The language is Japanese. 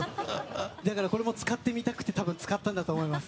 だから、これも使ってみたくて多分使ったんだと思います。